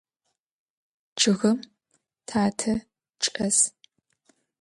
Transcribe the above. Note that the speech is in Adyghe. Ççıgım tate çç'es.